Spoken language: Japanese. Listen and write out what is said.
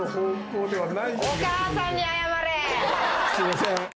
すみません。